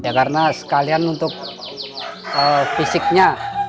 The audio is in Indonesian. ya karena sekalian untuk fisiknya